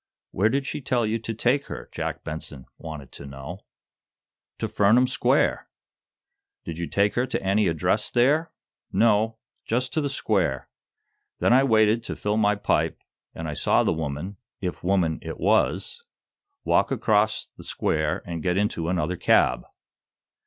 "Where did she tell you to take her," Jack Benson wanted to know. "To Furnam Square!" "Did you take her to any address there?" "No; just to the square. Then I waited to fill my pipe, and I saw the woman, if woman it was, walk across the square and get into another cab."